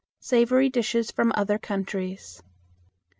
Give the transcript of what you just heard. Savory Dishes from Other Countries.